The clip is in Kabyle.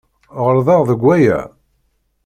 Ɣelḍeɣ deg waya?